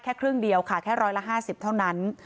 แค่ครึ่งเดียวค่ะแค่ร้อยละ๕๐เท่านั้น